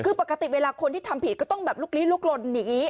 คือปกติเวลาคนที่ทำผิดก็ต้องแบบลุกลี้ลุกลนหนี